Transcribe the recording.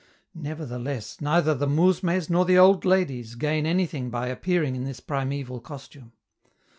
Nevertheless, neither the mousmes nor the old ladies gain anything by appearing in this primeval costume.